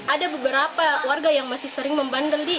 ada beberapa warga yang masih sering membanderli